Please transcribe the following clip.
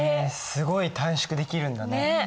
すごい短縮できるんだね。ね。